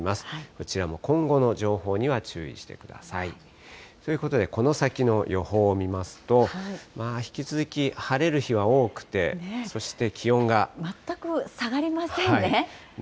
こちらも今後の情報には注意してください。ということでこの先の予報を見ますと、引き続き晴れる日は多くて、全く下がりませんね。